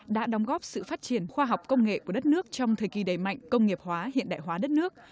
đã đóng góp sự phát triển khoa học công nghệ của đất nước trong thời kỳ đầy mạnh công nghiệp hóa hiện đại hóa đất nước